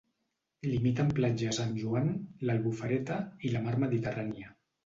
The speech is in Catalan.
Limita amb Platja Sant Joan, l'Albufereta i la mar Mediterrània.